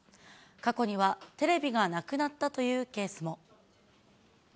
過去にはテレビがなくなったというケースも。